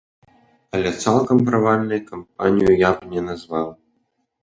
Але цалкам правальнай кампанію я б не назваў.